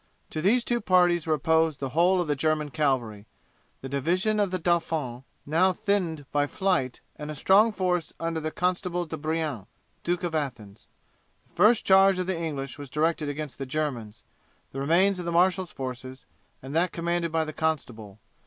To these two parties were opposed the whole of the German cavalry, the division of the Dauphin, now thinned by flight, and a strong force under the Constable de Brienne, Duke of Athens. The first charge of the English was directed against the Germans, the remains of the marshal's forces, and that commanded by the Constable.